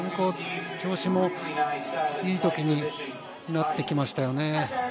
調子もいい時になってきましたよね。